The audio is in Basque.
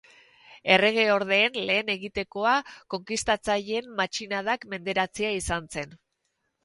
Erregeordeen lehen egitekoa konkistatzaileen matxinadak menderatzea izan zen.